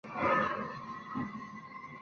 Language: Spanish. Tal como su abuelo, padre y tíos.